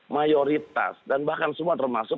mayoritas dan bahkan semua termasuk